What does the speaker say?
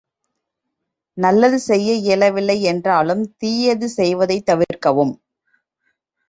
நல்லது செய்ய இயலவில்லை என்றாலும் தீயது செய்வதைத் தவிர்க்கவும்.